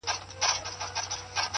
نېغ نېغ خیالونه شو کاږۀ لۀ زوره